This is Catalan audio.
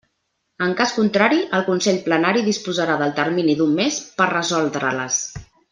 En cas contrari, el Consell Plenari disposarà del termini d'un mes per resoldre-les.